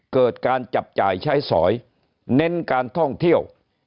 เกิดการจับจ่ายใช้สอยเน้นการท่องเที่ยว